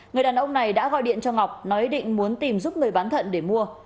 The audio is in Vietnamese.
người đàn ông này đã gọi điện cho ngọc nói ý định muốn tìm giúp người bán thận để mua